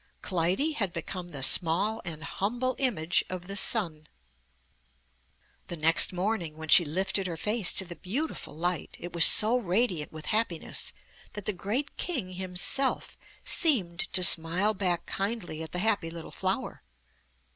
Clytie had become the small and humble image of the sun. The next morning, when she lifted her face to the beautiful light, it was so radiant with happiness that the great King himself seemed to smile back kindly at the happy little flower.